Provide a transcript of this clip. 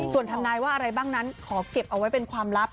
ส่วนทำนายว่าอะไรบ้างนั้นขอเก็บเอาไว้เป็นความลับ